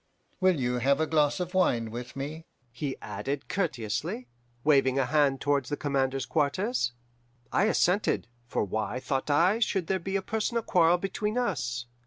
Will you have a glass of wine with me?' he added courteously, waving a hand towards the commander's quarters. "I assented, for why, thought I, should there be a personal quarrel between us?